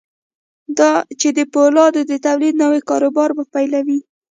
چې د پولادو د توليد نوي کاروبار به پيلوي.